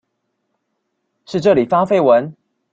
是這裡發廢文？